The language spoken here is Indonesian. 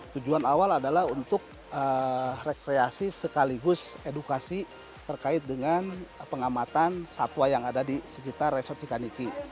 tujuan awal adalah untuk rekreasi sekaligus edukasi terkait dengan pengamatan satwa yang ada di sekitar resort cikaniki